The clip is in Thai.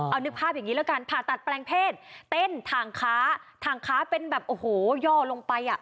เอานึกภาพอย่างนี้แล้วกันผ่าตัดแปลงเพศเต้นทางค้าทางค้าเป็นแบบโอ้โหย่อลงไปอ่ะ